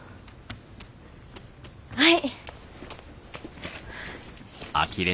はい！